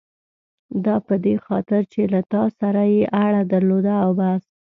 دا په دې خاطر چې له تا سره یې اړه درلوده او بس.